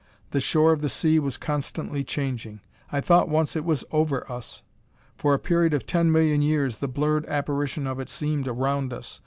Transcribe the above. The shore of the sea was constantly changing. I thought once it was over us. For a period of ten million years the blurred apparition of it seemed around us.